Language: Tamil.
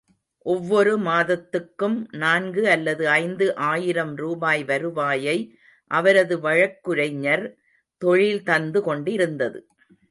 ஒவ்வொரு மாதத்துக்கும் நான்கு அல்லது ஐந்து ஆயிரம் ரூபாய் வருவாயை அவரது வழக்குரைஞர் தொழில் தந்து கொண்டிருந்தது.